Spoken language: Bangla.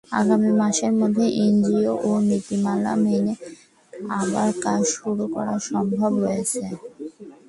আগামী মাসের মধ্যে এনজিও নীতিমালা মেনে আবার কাজ শুরু করার সম্ভাবনা রয়েছে।